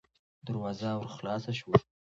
دروازه ورو خلاصه شوه.